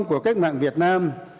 của cách mạng việt nam